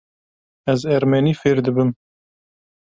Ez ermenî fêr dibim.